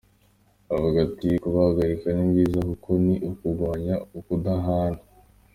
Avuga ati:"Kubahagarika ni vyiza kuko ni ukugwanya ukudahana.